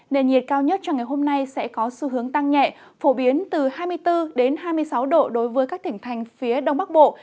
nền nhiệt cao nhất cho ngày hôm nay sẽ có xu hướng tăng nhẹ phổ biến từ hai mươi bốn hai mươi sáu độ đối với các tỉnh thành phía đông bắc bộ